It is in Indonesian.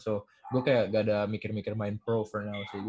so gua kayak ga ada mikir mikir main pro for now sih